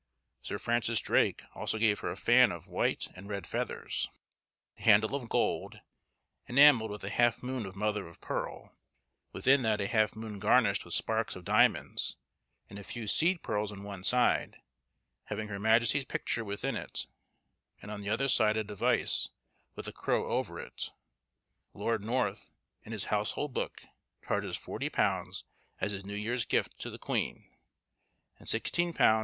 Sir Francis Drake also gave her a fan of white and red feathers, the handle of gold, enamelled with a half moon of mother of pearl, within that a half moon garnished with sparks of diamonds, and a few seed pearls on one side, having her majesty's picture within it, and on the other side a device with a crow over it. Lord North, in his Household Book, charges £40, as his New Year's Gift to the queen, and £16 10_s.